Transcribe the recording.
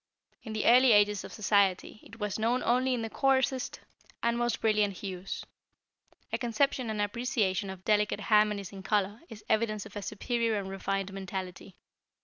In the early ages of society, it was known only in the coarsest and most brilliant hues. A conception and appreciation of delicate harmonies in color is evidence of a superior and refined mentality.